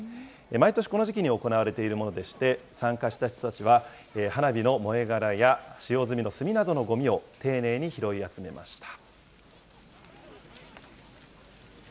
毎年この時期に行われているものでして、参加した人たちは、花火の燃えがらや使用済みの炭などのごみを丁寧に拾い集めました。